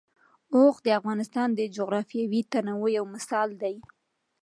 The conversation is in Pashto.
اوښ د افغانستان د جغرافیوي تنوع یو مثال دی.